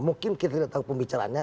mungkin kita tidak tahu pembicaraannya